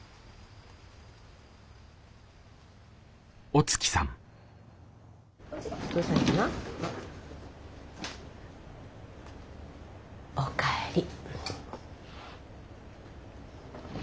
おかえり。